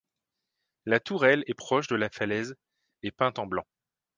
La tourelle est proche de la falaise et peinte en blanc.